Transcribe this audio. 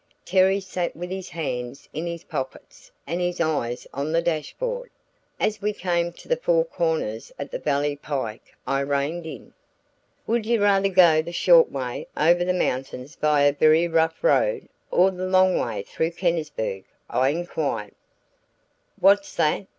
Terry sat with his hands in his pockets and his eyes on the dash board. As we came to the four corners at the valley pike I reined in. "Would you rather go the short way over the mountains by a very rough road, or the long way through Kennisburg?" I inquired. "What's that?"